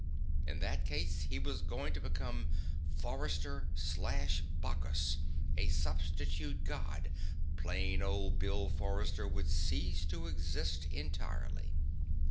In that case he was going to become Forrester/Bacchus, a substitute God. Plain old Bill Forrester would cease to exist entirely.